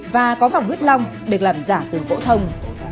và có vòng huyết lòng được làm giả từng bộ thông